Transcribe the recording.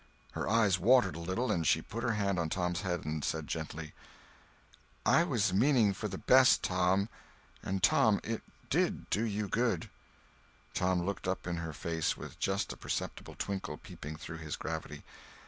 Her eyes watered a little, and she put her hand on Tom's head and said gently: "I was meaning for the best, Tom. And, Tom, it did do you good." Tom looked up in her face with just a perceptible twinkle peeping through his gravity.